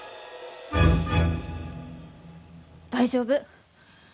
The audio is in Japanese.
大丈夫。